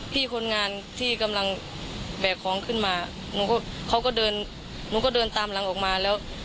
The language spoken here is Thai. พี่คนงานที่กำลังแบกของขึ้นมาหนูก็เขาก็เดินหนูก็เดินตามหลังออกมาแล้ว